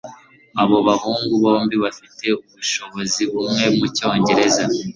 Abo bahungu bombi bafite ubushobozi bumwe mucyongereza